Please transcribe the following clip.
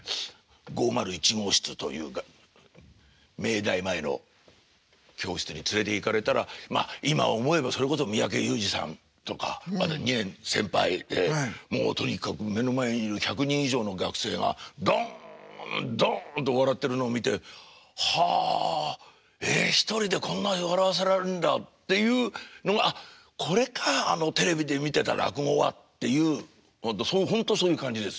５０１号室という明大前の教室に連れていかれたらまっ今思えばそれこそ三宅裕司さんとか２年先輩でもうとにかく目の前にいる１００人以上の学生がドンドンと笑ってるのを見て「はあえ？１人でこんなに笑わせられるんだ」っていうのが「ああこれかあのテレビで見てた落語は」っていうほんとそういう感じです。